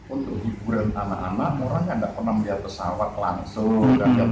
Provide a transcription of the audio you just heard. untuk hiburan anak anak orang tidak pernah melihat pesawat langsung